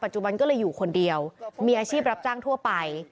จุบันก็เลยอยู่คนเดียวมีอาชีพรับจ้างทั่วไป